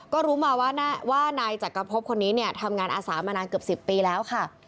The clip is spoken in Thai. ก็รู้มาว่านายจักรพบคนนี้เนี่ยทำงานอาสามานานเกือบ๑๐ปีแล้วค่ะ